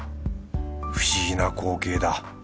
不思議な光景だ。